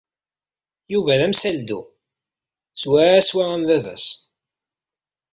Yuba d amsaldu, swaswa am baba-s.